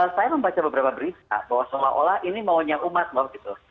saya membaca beberapa berita bahwa seolah olah ini maunya umat waktu itu